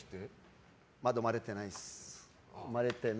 まだ生まれてないです。